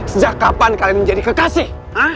sejak kapan kalian menjadi kekasih